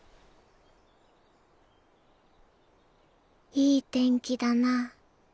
いい天気だな。